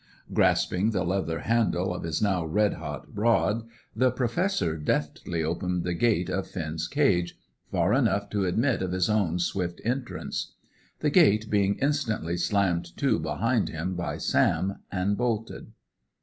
Grasping the leather handle of his now red hot rod, the Professor deftly opened the gate of Finn's cage, far enough to admit of his own swift entrance; the gate being instantly slammed to behind him by Sam, and bolted.